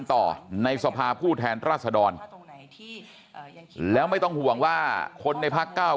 ต่อในสภาผู้แทนราษดรแล้วไม่ต้องห่วงว่าคนในพักเก้า